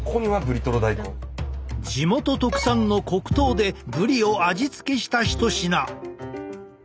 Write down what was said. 地元特産の黒糖でブリを味付けした一品。